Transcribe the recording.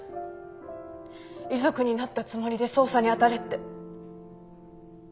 遺族になったつもりで捜査に当たれって。